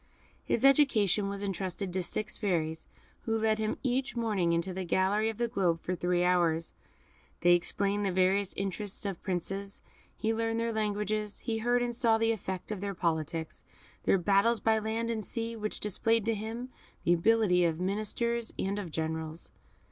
His education was entrusted to six fairies, who led him each morning into the gallery of the globe for three hours; they explained the various interests of Princes, he learned their languages, he heard and saw the effect of their politics, their battles by land and sea, which displayed to him the ability of ministers and of generals.